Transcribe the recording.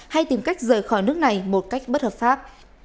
hay tìm cách rời khỏi nước này một cách bất hợp pháp